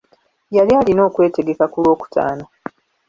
Yali alina okwetegeka ku lwokutaano.